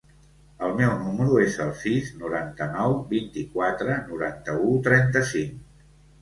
El meu número es el sis, noranta-nou, vint-i-quatre, noranta-u, trenta-cinc.